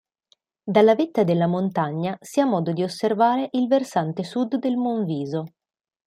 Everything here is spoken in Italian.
Dalla vetta della montagna si ha modo di osservare il versante sud del Monviso.